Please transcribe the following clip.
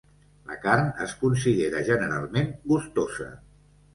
La carn es considera generalment gustosa.